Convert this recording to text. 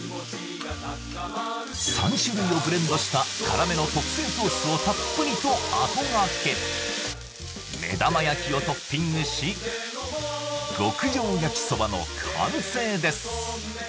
３種類をブレンドした辛めの特製ソースをたっぷりとあとがけ目玉焼きをトッピングし極上焼きそばの完成です